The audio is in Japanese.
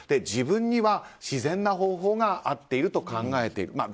自分には自然な方法が合っていると考えている。